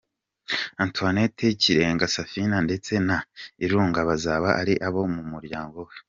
Antoinette, Kirenga Saphine ndetse na Irunga bazaba ari abo mu muryango we.